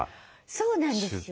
そうなんですよ。